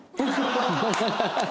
ハハハハハ！